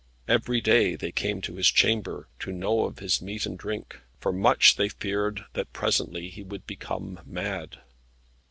Every day they came to his chamber, to know of his meat and drink, for much they feared that presently he would become mad.